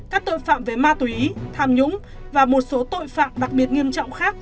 các tội phạm về ma túy tham nhũng và một số tội phạm đặc biệt nghiêm trọng khác